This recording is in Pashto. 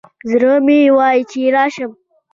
زړه مي وايي چي لاړ شم